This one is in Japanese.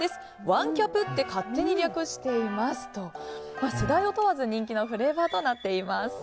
ワンキャプって勝手に略していますと世代を問わず人気のフレーバーとなっています。